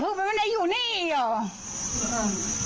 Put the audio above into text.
พูดไปมันได้อยู่นี้เนี้อ